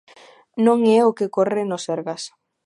Non é o que ocorre no Sergas.